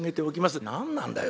「何なんだよ？